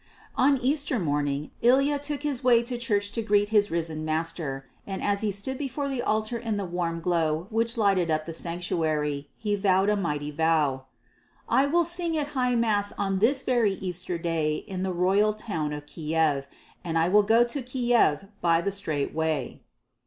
One Easter morning Ilya took his way to church to greet his risen Master; and as he stood before the altar in the warm glow which lighted up the sanctuary, he vowed a mighty vow, "I will sing at High Mass on this very Easter Day in the royal town of Kiev, and I will go to Kiev by the straight way."